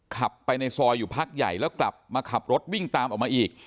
ขับไปในซอยอยู่พักใหญ่แล้วกลับมาขับรถวิ่งตามออกมาอีก